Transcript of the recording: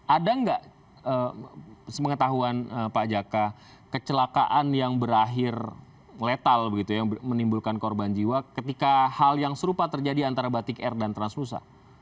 ada nggak pengetahuan pak jaka kecelakaan yang berakhir letal begitu ya menimbulkan korban jiwa ketika hal yang serupa terjadi antara batik air dan transnusa